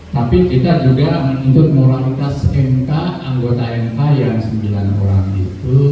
tapi kita juga untuk moralitas mk anggota mk yang sembilan orang itu